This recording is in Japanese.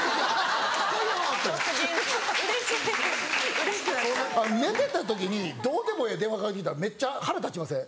・うれしくなっちゃう・寝てた時にどうでもええ電話かかってきたらめっちゃ腹立ちません？